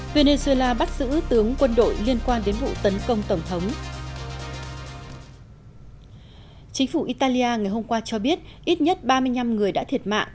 venezuela bắt giữ tướng quân đội liên quan đến vụ tấn công tổng thống